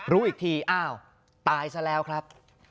รู้อีกทีอ้าวตายซะแล้วครับ